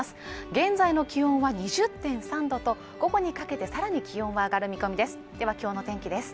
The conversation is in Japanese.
現在の気温は２０．３度と午後にかけてさらに気温は上がる見込みですでは今日の天気です